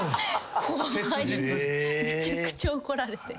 後輩にめちゃくちゃ怒られて。